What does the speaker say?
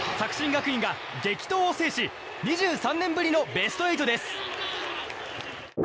学院が激闘を制し２３年ぶりのベスト８です！